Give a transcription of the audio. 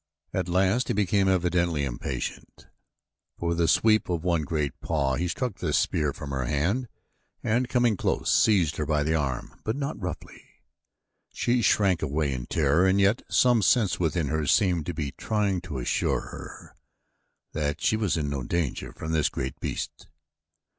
At last he became evidently impatient, for with a sweep of one great paw he struck the spear from her hand and coming close, seized her by the arm, but not roughly. She shrank away in terror and yet some sense within her seemed to be trying to assure her that she was in no danger from this great beast.